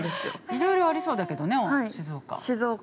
◆いろいろありそうだけどね静岡。